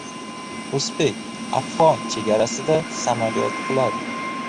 O‘zbek-afg‘on chegarasida samolyot quladi